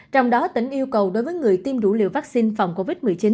trong đó tỉnh yêu cầu đối với người tiêm đủ liều vaccine phòng covid một mươi chín